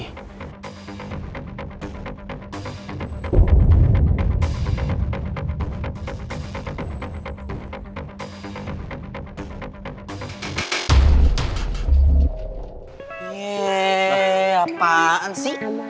yeee apaan sih